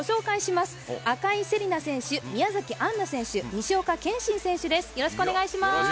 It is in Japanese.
赤井星璃菜選手、宮崎安奈選手、西岡顕心選手です。